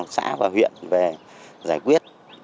xã và huyện về giải quyết